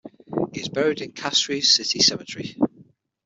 He is buried in Castries City Cemetery.